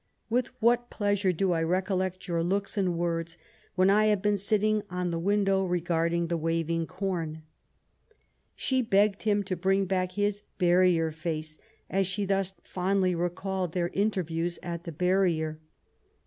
With what pleasure do I recollect your looks and words, when I have been sitting on the window, regarding the waving corn.'' She begged him to bring back his ^^ barrier face/' as she thus fondly recalled their interviews at the barrier.